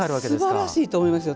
すばらしいと思いますよ。